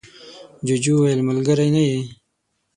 جوجو وویل ملگری نه یې.